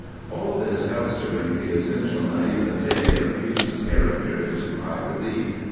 All this helps to bring the essential naïveté of Pepys's character into high relief.